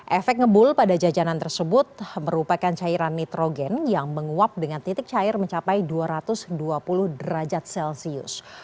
efek ngebul pada jajanan tersebut merupakan cairan nitrogen yang menguap dengan titik cair mencapai dua ratus dua puluh derajat celcius